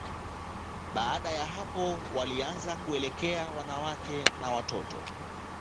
Baada ya hapo, walianza kuelekea wanawake na watoto.